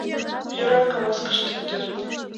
— Йӧра, — каласыш Деккер.